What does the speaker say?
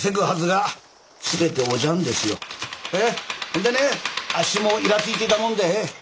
ほんでねあっしもいらついていたもんでええ。